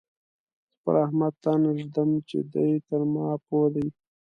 زه پر احمد تن اېږدم چې دی تر ما پوه دی.